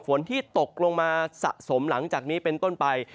ฝนที่ตกลงมาสะสมหลังจากนี้เป็นต้นไป